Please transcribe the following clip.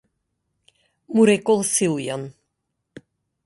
му рекол Силјан.